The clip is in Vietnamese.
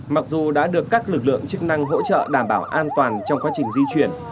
mặc dù đã được các lực lượng chức năng hỗ trợ đảm bảo an toàn trong quá trình di chuyển